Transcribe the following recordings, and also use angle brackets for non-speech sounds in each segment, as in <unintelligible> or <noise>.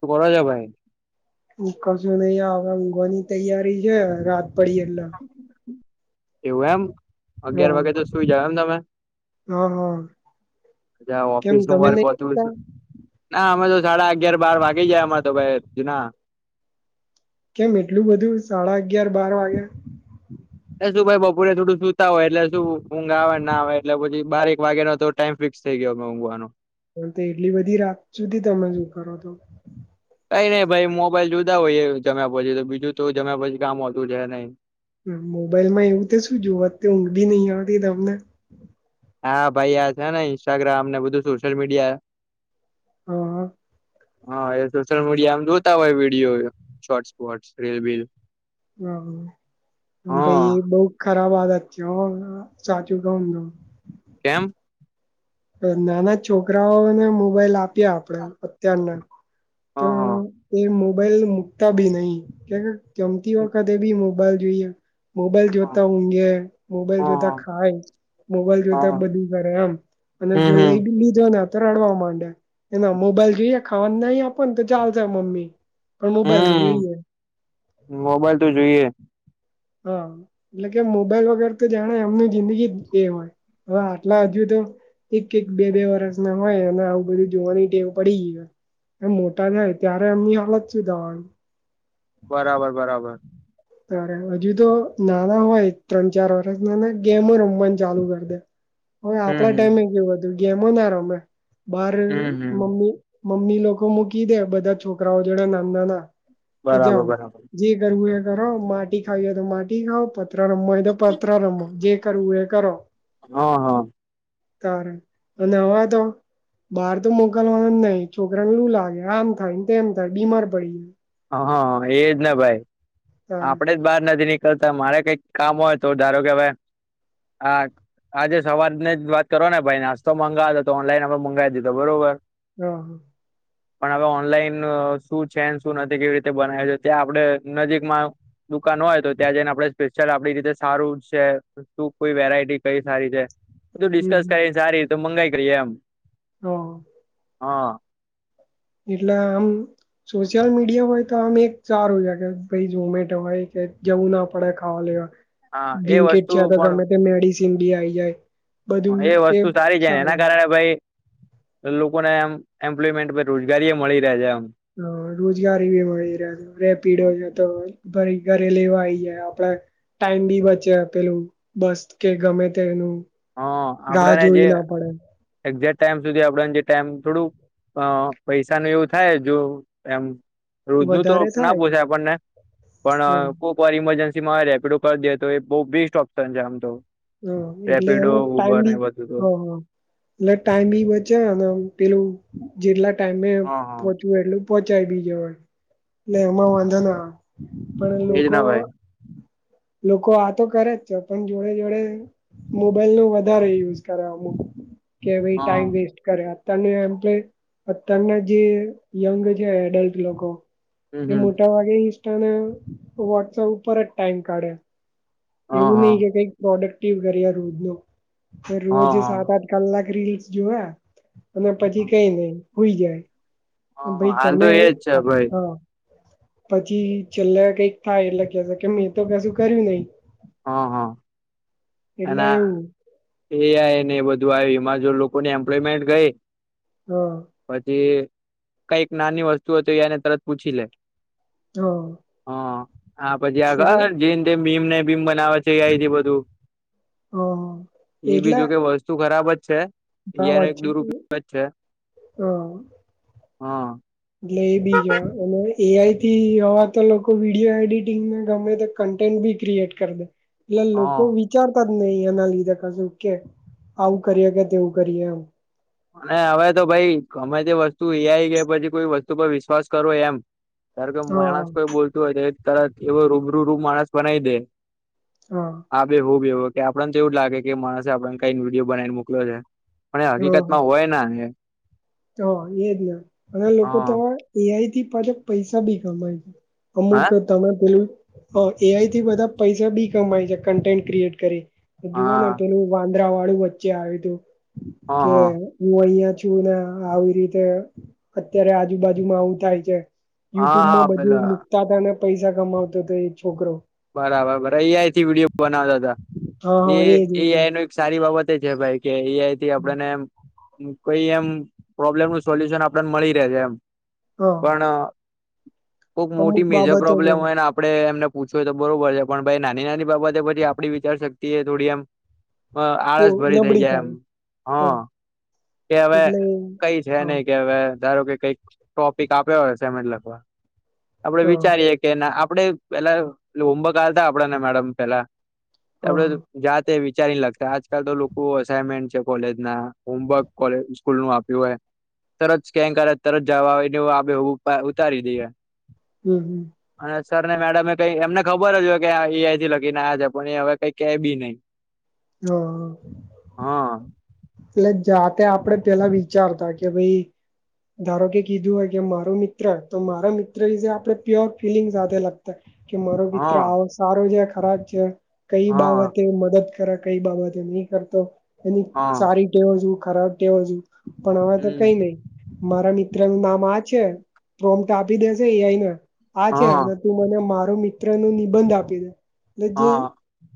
તો કરોને ભાઈ <inaudible> હું કશું નહીં હવે ઊંઘવાની તૈયારી છે રાત પડી એટલે એવું એમ અગિયાર હા વાગે તો સુઈ જાવ એમ તમે હા હા <unintelligible> કેમ ઓફિસનું તમે વર્ક નહી હોતું ઊંઘતા? હશે ના અમે તો સાડા અગિયાર બાર વાગી જાય અમારે તો ભાઈ <inaudible> જ ના કેમ એટલું બધું સાડા અગિયાર બાર વાગે એ શું ભાઈ બપોરે થોડું સુતા હોય એટલે શું ઊંઘ આવે નાઆવે એટલે પછી બાર‌એક વાગ્યાનો ટાઈમ ફિક્સ -ક્સ થઈ ગયો મેઊંઘવાનો હ તો એટલી બધી રાત સુધી તમે શું કરો તો કંઈ નઈ ભાઈ મોબાઈલ જુતા હોય જમ્યા પછી તો બીજું તો જમ્યા પછી કામ હોતું છે નઈ મોબાઈલમાં એવું તે શું જોવતે ઊંઘય નહી આવતી તમને હા ભાઈ આ છે ને ઇન્સ્ટાગ્રામને બધું સોશિયલ મીડિયા હા હા હા એ સોશિયલ મીડિયામ જોતા હોય વિડીયો શોર્ટ્સ-બોટ્સ રીલ-બીલ હ ભાઈ એ બહુ ખત <unintelligible> સાચું કહુંને તો કેમ નાના છોકરાઓને મોબાઈલ આપ્યા આપણેે અત્યારના હ તો એ મોબાઈલ મુકતા બી નહીં ક્યારેક જમતી વખતે બી મોબ બાઈલ જોઈએ મોબાઈલ હ જોતા ઊંઘે હ મોબાઈલ જોતા ખાય મોબાઈલ હ જોતા હ બધું ઘરે એમ અને હમ જો હમ અઈડુ ને તો <unintelligible> તો રડવા માંડે એના મોબાઈલ જોઈએ ખાવા નહી આપોને તો ચાલશે મમ્મી પણ મોબાઈલ હમ જોઈએને મોબાઈલ તો જોઈએ હા એટલે કે મોબાઈલ વગેર તો જાણે એમનું જિંદગી જ એ હોય. હા આટલા હજુ તો એક-એક, બે-બે વરષના હોય અને આવું બધું જોવાની ટેવ પડી ગયય અને મોટા થાય ત્યારે એમની હાલત શું થવાની બરાબર બરાબર અરે હજુ તો નાના હોય ત્રણ ચાર વરષ ના ગેમો રમવાનું ચાલુ કરી દે હવે હમ આપડા હમ ટાઈમે કેવું હતું ગેમોના રમે બાર હમ હમ મમ્મી મમ્મી લોકો મૂકી દે બધા છોકરાઓ જોડે નાંદ ના કે બરાબર જાઓ બરાબર જે કરવું એ કરો માટી ખાવ હો તો માટી ખાાવ પ પતરા રમવું હોય તો પતરા રમો જે કરવું એ કરો હા હા તારે અને હવા તો બહાર તો મોકલવાનું નહી છોકરાને લું લાગે આમ થાય ને તેમ થાય બીમાર પડી હા એજ ને ભાઈ તારે આપડે જ બહાર થી નીકળતા મારે કઈક કામ હોય તો ધારો કે હવે હા આજે સવાર જ વાત કરો ને ભાઈ નાસ્તો મંગાવતો તો ઓનલાઈન અમે મંગાવી દીધો બરોબર. હા. પણ હવે ઓનલાઈન શું છે શું નથી કેવી રીતે બનાવે છે ત્યાં આપડે નજીકમાં દુકાન હોય તો ત્યાં જઈને આપણે સ્પેશિયલ આપડી રીતે સારું છે શું કોઈ વેરાયટી કઈ સારી છે. બધું ડિસ્કસ કરી સારી રીતે મંગાઈ કરીએ એમ હા. હા. એટલે આમ સોશિયલ મીડિયા હોય તો આમ એક સારું છે કે ભાઈ ઝોમેટો હોય કે જવું ના પડે ખાવા લેવા હા એ બ્લિંકિટ વસ્તુ છે તો પણ ગમે તે મેડિસિન બી આવી જાય. બધું એ વસ્તુ સારી છે ને એના સારું કારણે ભાઈ લોકોને એમ એમ્પ્લોયમેન્ટ રોજગારી એ મળી રહે છે આમ હ રોજગારી બી મળી રેહ છે રેપિડો છે તો ભરી ઘરે લેવા આવી જાય આપડે ટાઈમ બી બચે પેલું બસ કે ગમે તે એનું હ આપડેને જે એક્જે ટાઈમ સુધી આપડ જે ટાઈમ થોડું પૈસાનું એવું થાય જો એમ રોજનું તો વધારે ના થાય પોસાય આપણને પણ હ કોક વાર ઈમરજન્સી રેપિડો કરી દે તો એ બહુ બેસ્ટ ઓપ્શન છે આમ તો હા એટલે રેપિડો આમાં ટાઈમ ઉબર બી ને બધું તો હ હ એટલે ટાઈમ બી બચે અને પેલું જેટલા ટાઈમે હા હા પહોચવું એટલું પોહોંચાય બી જવાય એટલે એમાં વાંધા ન આવે પણ એજ લોકો ના ભાઈ લોકો આ તો કરે જ છે પણ જોડે જોડે મોબાઈલ નો વધારે યુઝ કર કે ભ હા ટાઈમ વેસ્ટ કર્યા તને એમ્પ્લોય અત્યારના જે યંગ છે એડલ્ટ લોકો હમ એ હમ મોટા ભાગે ઈસ્ટાને વોટ્સપ ઉપર જ ટાઈમ કાઢ્યા હા એવું હા નહી કે કઈક પ્રોડક્ટિવ કર્યા રોજ નો રોજ હા સાત આઠ કલાક રીલ્સ જોયા અને પછી હા કઈ નહી હુઈ જાય હા ભય હાલ તો તમે એજ છે ભાઈ હા પછી છેલ્લા કઈક થાય એટલે કે કે મેં તો કશું કર્યું નહિ હા હા એટલે એવું એ આને એ બધું આવ્યું એમાં જો લોકોને એમ્પ્લોયમેન્ટ ગઈ હા પછી કઈક નાની વસ્તુ હો તો એને તરત પૂછી લે હા હ આ પછી એટલે આગળ જેમ જેમ ભીમ ને ભીમ બની આવે છે એઆયથી બધું હા એ બી એટલા જોકે વસ્તુ ખરાબ જ છે અયાનો એક દુરપયો જ છે. હા. એટલે એ બીજા અને એઆઈ થી હવ તો લોકો વિડિયો એડિટિંગમાં ગમે તો કન્ટેન્ટ બી ક્રિએટ કરી દે. એટલે લોકો હા વિચાર કર અહીયા ના લીધે કશુંક કે આવું કરીએ કે તેવું કરીએે એમ અને હવે તો ભાઈ ગમે તે વસ્તુ આઈ કે પછી કોઈ વસ્તુ પર વિશ્વાસ કરો એમ તાર કે હા માણસ કોઈ બોલતું હોય તો તરત એવ રૂબરૂ રૂબ માણસ બનાવી દે. હા આ બે હ બેવ આપણને તો એવું જ લાગે કે માણસે આપને કઈ વિડીયો બનાવીને મોકલો્યો છે પણ હ એ હકીકતમાં હોય ના એ હ એજ અને લોકો હા તો એઆઈ થી પાછા પૈસા બી કમાય છે અમુક હા તમે પેલું એઆઈથી બધા પૈસા બી કમાય છે કન્ટેન્ટ ક્રિએટ કરી હા જુવાને પલું વાંદરા વાળું વચ્ચે આવ્યું તું હા કે હા હું અહિયાં છ શું ને આવી રીતે અત્યારે આજુ બાાજુમાં આવું થાય છે હા હા યુટ્યુબમાં બધું પેલા મકતા હતા પૈસા કમાવતો હતો એ છોકરો બરાબર બરાબ એઆઈથી વિડીયો બનાવતા હા હા હતા એજ એ એજ એજ. એઆઈ ન એક સારી બાબત ભ કે એઈથી આપ કોઈ એમ પ્રોબ્લેમ નું સોલ્યુશન આપ મળી રહે છે એમ હા પણ ખુક અમુક મોટી મેજર બાબતો બહુ પ્રોબ્લેમ હોય ને આપડે એમને ય તો બરોબર છે પણ ભાઈ નાની નાની બાબતે પછી આપડી વિચાર શક્તિ એ થોડી એમ અ બહુ આળસ ભરી થઇ નબળી ગાય એમ થાય હા કે હવે એટલે કઈ છે હા નઈ કે હવે ધારો કે કઈ ટોપિક આપ્યો હશે મતલ આપડે હા વિચારીએે કે આપ પેલા હોમવર્કતા આપડ ને મેડમ પેલા આપડે હા જાતે વિચારી લાગતા આજકાલ તો લોકો અઇનમેન્ટ છે કોલેજ ના હોમવર્ક કો સ્કૂલ નું આપ્યું હોય તરત સ્કેન કરે તરત જવા હોય એ આપે ઉતારી દઈએ હમ હમ અને સર ને મેડમમે કઈ એમને ખબર જ હોય કે આ એઆઈ થી લખીને્યા છે પણ એ હવે કઈ કે બી નહી હા હા એટલે જાતે આપે પેલા વિચારતા કે ભાઈ ધારો કે કીધું હોય કે મારું મિત્ર તો મારા મિત્ર આપે પ્યોર ફિલિંગ સાથે લાગતા કે મારો મિત્ર હા આવો સારો છે ખરાબ છે કઈ હા બાબતે મદદ ખરા કઈ બાબતે નહી કરતો એની હા સારી ટેવો છ ખરાબ ટેવો છું પણ હવે તો કઈ હમ નહી મારા મિત્ર નું નામ આ જ પ્રોમ ટા આપી દેશે એને આ છે હા અને તું મને મા મિત્ર નો નિબંધ આપે છે એટ જે હા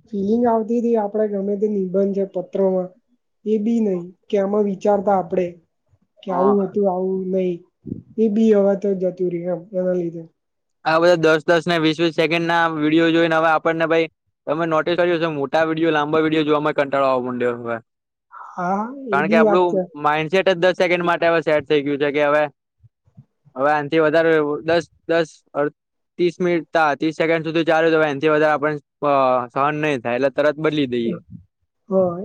ફિલિંગ આવતી હતી આપડે ગમે તે નિબંધ છે પત્રોમાં એ બી નહિ કે આમાં વિચારતા આપડે કે હા આવું હતું આવું નહી એ બી હવા તો જતું રહી આમ એના લીધે આ બધા દસ દસ ને વીસ વીસ સેકન્ડ ના વિડીયો જોઈને હવે આપણને ભાઈ તમે નોટિસ કર મોટા વિડીયો લાંબા વિડીયો જોવામાં કંટાળવા માંડ્યો હવે હા એ કારણ કે બી વાત આપણું છે માઈન્ડસેટ જ દસ સેકન્ડ માટે હવે સેડ થઈ ગયું છે કે હવે હવે આથી વધારે દસ દસ ત્રીસ મિનિટ ત્રીસ સેકન્ડ સુધી ચાલુ તો એથી વધારે આપ સહન નહી થાય એટ હા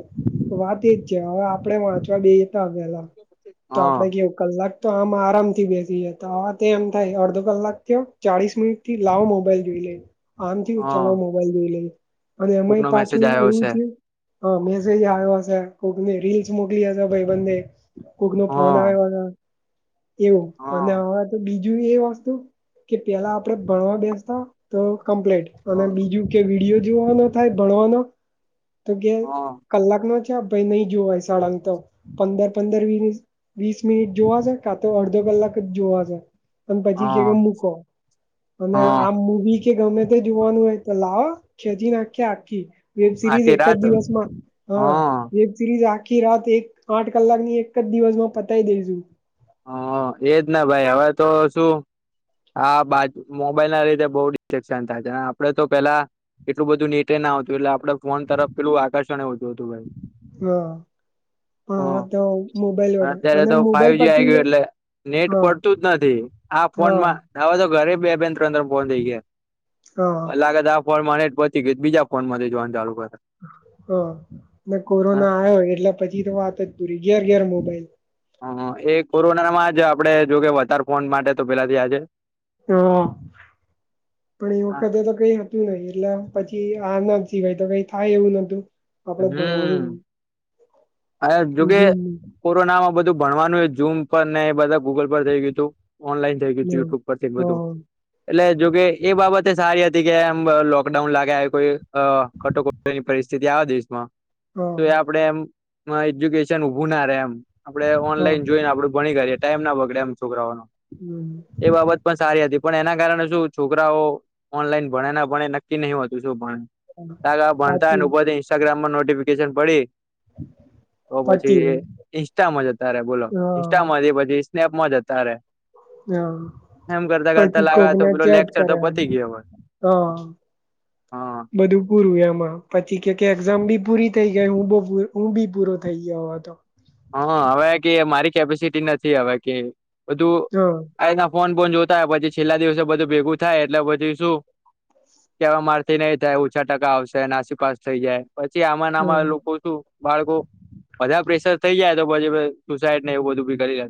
વાત એજ છે હવે આપણેે વાંચવા બે પેલા તો હા આપડે કેવ કલાક તો આમ આરામ થી બેસી જતા હ તો એમ થાય અડધો કલાક કયો ચાલીસ મિનિટ થી લાવો મોબાઈલ જોઈ લઈ આમથી હા ચાલો મોબાઈલ જોઈ લઈ અને કોક એમાંય નો પાછું મેસેજ આવ્યો એવું છે થયું હ મેસેજ આ્યો હશે કોને રીલ્સ મોકલીશે ભ બને કોક નો ફોન હા આવે એવું અને હા હવે તો બીજું એ વસ્તુ કે પેલા આપડે ભણવા બેસતા તો કમ્પ્લેટ અને હા બીજું કે વિડીિયો જોવાનો થાય ભણવાનો તો કે કલાક નો ભાઈ નહી જોવાય સળંગ તો પંદર પંદર વીસ મિનિટ જોવાશે કા તો અડધો. કલાક જ જોવા છે અને પછી કે હા મૂકો અને હા આ મવી કે ગમે તે જોવાનું હોય તો લાવો ખેચી નાખ્યા આખી વેબ સિરીઝ આખી એક જ રાત દિવસમાં હ હા વેબ સિરીઝ આ આખી રાત એક આઠ કલાકની એક જ દિવસમાં પતાવી દેઈશું. હ એજ ના ભાઈ હવે તો શું આ બા મોબાઈલ ના લીધે બઉ ડિસ્ટેકસન થાય છે, આપડે તો પેલા એટલું બધું નેટેે ના આવતું એટલે આપડે ફોન તરફ પેલું આકર્ષણ હોતું હતું ભાઈ. હા હા તો મોબાઈલ વગેરે અને મોબાઈલ પર થઈ ગયું એટલે નેટ પડતું જ નથી આ હા ફોનમાં હવે તો ઘરે બે બેન ત્રણ ફોન થઈ હા ગયા, લાગે ત્યા ફોન <inaudible> બીજા ફોન માંથી જોવાનું ચાલુ કરે. હા કોરોના આવ્યો એટલે પછી તો વાત જ પૂરી ઘેર ઘેર મોબાઈલ. હ હ એ કોરોનામાં જ આપડે જોકે વધારે ફોન માટે તો પેલાથી આજે હ પણ એ વખતે તો કઈ હતું નહિ એટલે પછી આ ના જીવાય તો કઈ થાય એવું નોતું. હમ જોકે કોરોનામાં બધું ભણવાનું એ ઝૂમ પર ને એ બધા ગૂગલ પર થઈ ગયું હતું. ઓનલાઈન થઈ ગયું તું યુટ્યુબ પરથી બધું. હા એટલે જોકે એ બાબતે સારી હતી કે, આમ લોકડાઉન લાગ્યા કોઈ કટોકટી ની પરિસ્થિતિ આવા દેશમાં હા તો એ આપડે એમ એજ્યુકેશન ઉભું ના રહેે, એમ. આપડે હા ઓનલાઈન જોઈને આપડું ભણી કરીએ ટાઈમ ના બગડે એમ. છોકરાઓનો હમ એ બાબત પણ સારી હતી. પણ એના કારણે શું છોકરાઓ ઓનલાઈન ભણે ના ભણે નક્કી નહી હોતું, જોપણ. તાગા ભણતા પાછી લોકોની ઇન્સ્ટાગ્રામ માં નોટિફિકેશન પડી તો પતી ગયું. પછી ઇન્સ્ટામાં જતા રહે બોલો, હા ઇન્સ્ટામાંથી પછી સ્નેપમાં જતાારે. હા પછી કોકને તો પેલો ચેટ લેક્ચર તો કર્યા, પતી ગયો હવે હઅ હા બધું પૂરું એમાં પછી કે કે એક્ઝામ બી પૂરી થઈ ગઈ હું બવઉ હું બી પૂરો થઈ ગયો હતો. હા હવે કે મારી કેપેસિટી નથી હવે કે બધું હા આ એના ફોન બોન જોતા પછી છેલ્લા દિવસે બધું ભેગું થાય એટલે પછી શું કે હવે મારથી નહી થાય, ઓછા ટકા આવશે અને નાસી પાાસ થઇ જાય. પછી આમાં નામાં હા લોકો શુ, બાળકો બધા પ્રેશર થઈ તો પછી સુસાઈડ ને એવ બધુ બી કરી લે.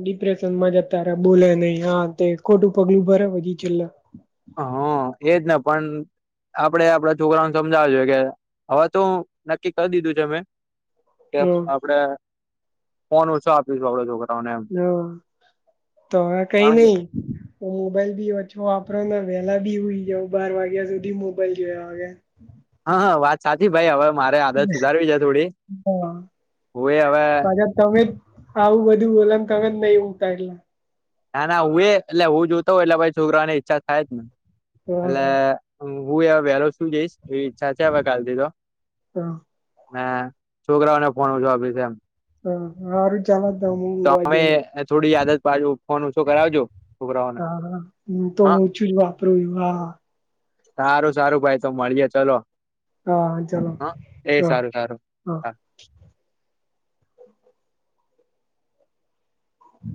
ડિપ્રેશનમાં જતારે બોલે નઈ, હા તે ખોટું પગલું ભરે પછી છેલ્લા. હઅ એજ ને પણ આપડે આપડા છોકરાું સમજાવે જોએ કે હવે, તો નક્કી કરી દીધું છે મેં કે હા આપડે ફોન ઓછો આપીશું આપડા છોકરાને. હા, તો હવે કઈ કારણ કે નઈ હું મોબાઈલ ભી ઓછો આપ પ્રના વેલા બી હુંઈ જાવ બાર વાગ્યા સુધી મોબાઈલ જોયા વાગે. હા હા વાત સાચી ભાઈ હવે મારે આદત સુધારવી છે થોડી હા હું એ હવે પાછા તમે જ આવું બધું બોલા તમે જ નઈ ઊઘતા એટલે. ના, ના હું એ લ્યા હું જ હુંતો હોય એટલે પછી છોકરાને ઈચ્છા થાય જ ને હા એટલે હુંઈ હવે વેલો શું જઈશ એવી ઈચ્છા છે હવે કાલથી તો. હા મેં છોકરાઓને ફોન ઓછો આપી છે એમ. હ હારું ચાલ. હું ઊંઘવા તમે જવ, થોડી આદત પાડજો ફોન ઓછો કરાવજો છોકરાઓને <unintelligible> હુ તો હા ઓછું જ વાપરું છું, હા. સારું સારું ભાઈ તો મળીએે ચલો. હા ચાલો હઅ એ હા સારું સારું હા.